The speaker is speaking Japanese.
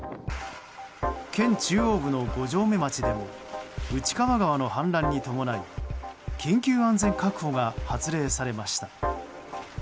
県中央部の五城目町でも内川川の氾濫に伴い緊急安全確保が発令されました。